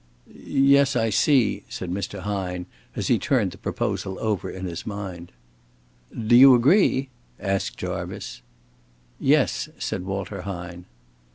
"Yes, I see," said Mr. Hine, as he turned the proposal over in his mind. "Do you agree?" asked Jarvice. "Yes," said Walter Hine.